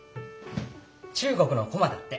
中国のコマだって。